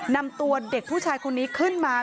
นำตัวเด็กผู้ชายคนนี้ขึ้นมา